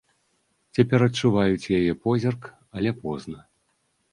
Цяпер адчуваюць яе позірк, але позна.